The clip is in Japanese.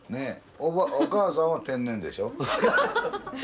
お母さんは天然でしょ？